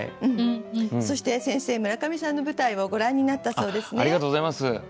そして先生村上さんの舞台をご覧になったそうですね。ありがとうございます。